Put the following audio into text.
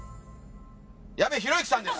矢部浩之さんです。